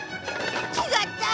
違った！